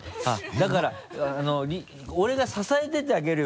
だから俺が支えててあげるよ